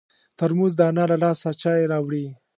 ترموز د انا له لاسه چای راوړي.